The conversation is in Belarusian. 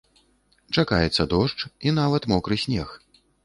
Чакаецца дождж і нават мокры снег.